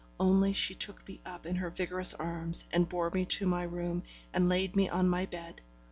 Only she took me up in her vigorous arms, and bore me to my room, and laid me on my bed.